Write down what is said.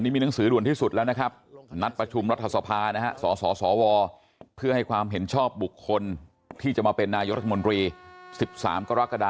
ไม่โหวดให้คุณพิธายอย่างแน่นอน